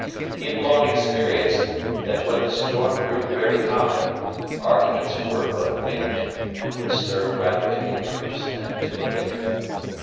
He had long experienced, that when the storm grew very high, arguments were but wind, which served rather to increase, than to abate it.